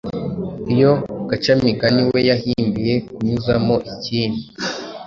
iyo gacamigani we yahimbiye kunyuzamo ikindi